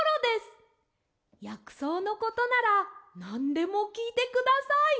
やくそうのことならなんでもきいてください。